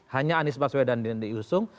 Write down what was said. hanya anies baswedan dan dendi yusung